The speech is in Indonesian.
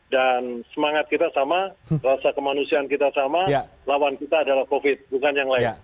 dan semangat kita sama rasa kemanusiaan kita sama lawan kita adalah covid bukan yang lain